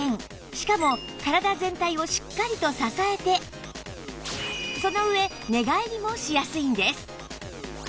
しかも体全体をしっかりと支えてその上寝返りもしやすいんです